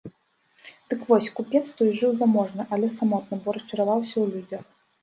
Дык вось, купец той жыў заможна, але самотна, бо расчараваўся ў людзях.